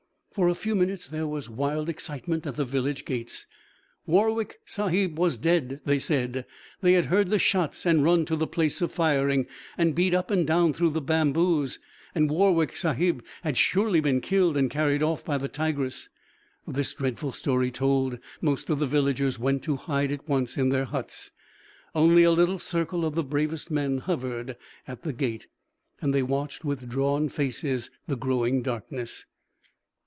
For a few minutes there was wild excitement at the village gates. Warwick Sahib was dead, they said they had heard the shots and run to the place of firing, and beat up and down through the bamboos; and Warwick Sahib had surely been killed and carried off by the tigress. This dreadful story told, most of the villagers went to hide at once in their huts; only a little circle of the bravest men hovered at the gate. They watched with drawn faces the growing darkness.